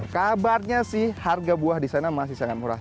kabarnya sih harga buah di sana masih sangat murah